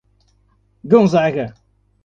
Gonzaga